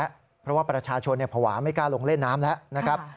เพราะว่าประชาชนภาวะไม่กล้าลงเล่นน้ำแล้วนะครับ